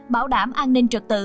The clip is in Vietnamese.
bảo đảm an ninh trật tự